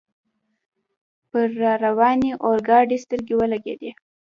پر را روانې اورګاډي سترګې ولګېدې.